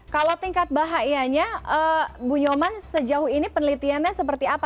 kalau tingkat bahayanya bu nyoman sejauh ini penelitiannya seperti apa